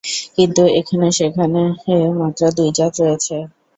কিন্তু এখন সেখানে মাত্র দুই জাত রয়েছে।